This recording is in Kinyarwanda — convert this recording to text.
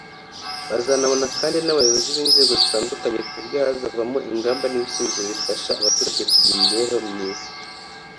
bazanabonana kandi n’Abayobozi b’inzego zitandukanye ku buryo hazavamo ingamba n’ibisubizo bifasha abaturage kugira imibereho myiza